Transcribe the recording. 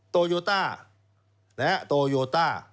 โตโยต้าโตโยต้า